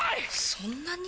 そんなに！？